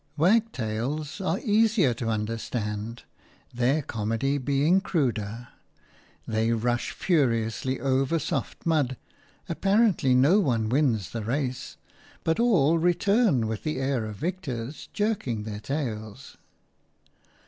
Wagtails are easier to understand, their comedy being cruder. They rush furiously over soft mud; apparently no one wins the race, but all return with the air of victors, jerking their tails.